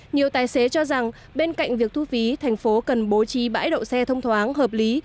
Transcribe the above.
nhiều tài xế cho rằng bên cạnh việc thu phí thành phố cần bố trí bãi đậu xe thông thoáng hợp lý